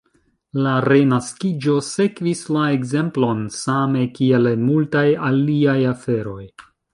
La Renaskiĝo sekvis la ekzemplon, same kiel en multaj aliaj aferoj.